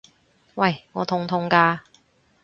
喂！我痛痛㗎！